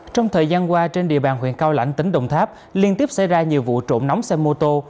trong thời gian qua trên địa bàn huyện cao lãnh tỉnh đồng tháp liên tiếp xảy ra nhiều vụ trộm nóng xe mô tô